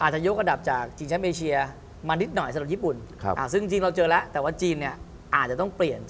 อาจจะยกระดับจากจีนแชมพ์เอเชีย